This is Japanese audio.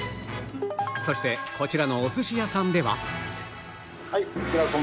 そしてこちらのお寿司屋さんでは